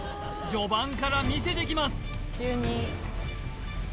序盤からみせてきます１２！